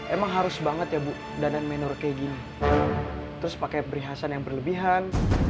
emang harus banget ya bu dana menor kayak gini terus pake perihasan yang berlebihan